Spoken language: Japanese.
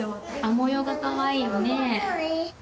模様がかわいいね。